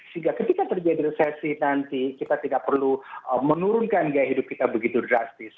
sehingga ketika terjadi resesi nanti kita tidak perlu menurunkan gaya hidup kita begitu drastis